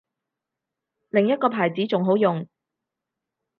另一個牌子仲好用